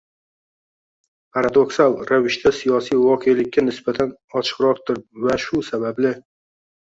paradoksal ravishda siyosiy voqelikka nisbatan ochiqroqdir va shu sababli